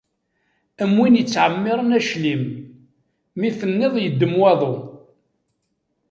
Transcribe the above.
Am win yettɛemmiṛen aclim, mi tenniḍ yeddem waḍu.